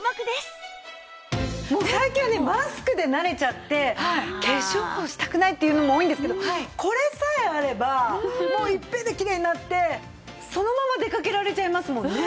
最近はねマスクで慣れちゃって化粧をしたくないっていうのも多いんですけどこれさえあればもういっぺんできれいになってそのまま出かけられちゃいますもんね。